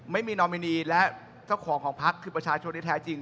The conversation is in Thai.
ไม่มีนอมินีและเจ้าของของพักคือประชาชนที่แท้จริง